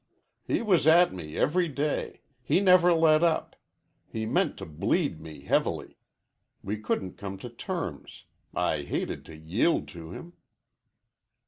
He was at me every day. He never let up. He meant to bleed me heavily. We couldn't come to terms. I hated to yield to him."